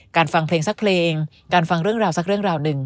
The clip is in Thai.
ฟังเพลงสักเพลงการฟังเรื่องราวสักเรื่องราวหนึ่ง